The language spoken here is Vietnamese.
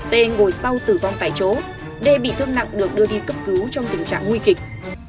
t ngồi sau tử vong tại chỗ đê bị thương nặng được đưa đi cấp cứu trong tình trạng nguy kịch